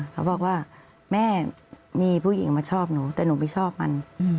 เขาบอกว่าแม่มีผู้หญิงมาชอบหนูแต่หนูไม่ชอบมัน